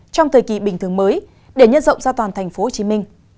trong thời kỳ bình thường mới để nhân rộng gia toàn tp hcm